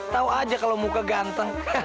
tahu aja kalau muka ganteng